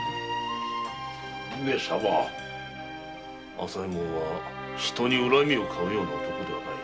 朝右衛門は人に恨みをかうような男ではない。